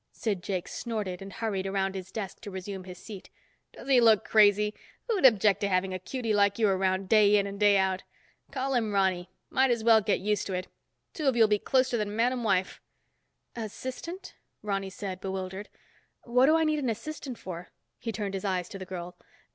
Sid Jakes snorted, and hurried around his desk to resume his seat. "Does he look crazy? Who'd object to having a cutey like you around day in and day out? Call him Ronny. Might as well get used to it. Two of you'll be closer than man and wife." "Assistant?" Ronny said, bewildered. "What do I need an assistant for?" He turned his eyes to the girl.